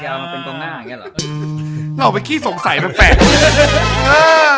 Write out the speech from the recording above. อย่างเงี้ยเหรอเหรอมันคี่สงสัยแปลนแบบแปดน้ำ่อ